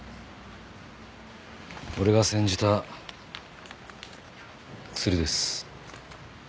俺が煎じた薬です。